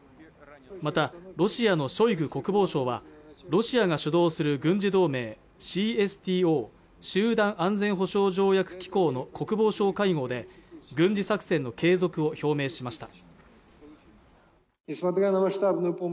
またロシアのショイグ国防相はロシアが主導する軍事同盟ＣＳＴＯ＝集団安全保障条約機構の国防相会合で軍事作戦の継続を表明しました